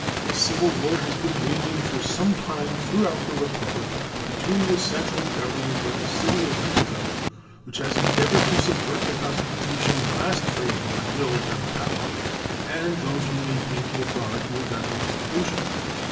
A civil war has been raging for some time throughout the Republic between the central Government at the City of Mexico, which has endeavored to subvert the constitution last framed by military power, and those who maintain the authority of that constitution.